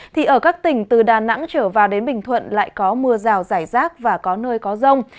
thì ở các tỉnh từ đà nẵng trở vào đến bình thuận lại có mưa rào rải rác và có nơi có rông